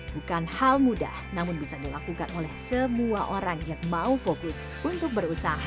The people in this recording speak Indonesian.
bukan hal mudah namun bisa dilakukan oleh semua orang yang mau fokus untuk berusaha